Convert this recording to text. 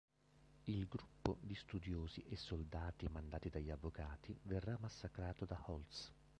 Il gruppo di studiosi e soldati mandati dagli avvocati verrà massacrato da Holtz.